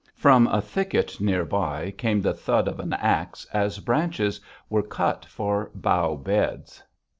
From a thicket near by came the thud of an axe as branches were cut for bough beds.